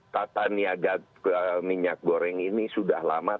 tata niaga minyak goreng ini sudah lama